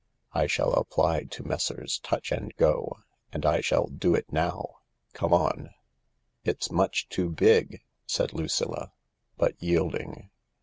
" I shall apply to Messrs. Tutch and Go— and I shall do it now. Come on." 48 THE LARK " It's much too big," said Lucilla, but yielding.